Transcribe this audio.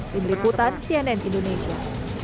pemiriputan cnn indonesia